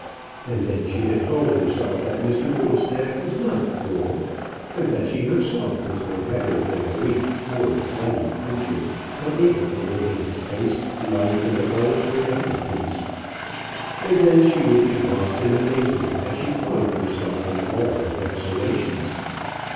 And then she had told herself that Mr Whittlestaff was not cruel, and that she herself was no better than a weak, poor, flighty creature unable to look in its face life and all its realities. And then she would be lost in amazement as she thought of herself and all her vacillations.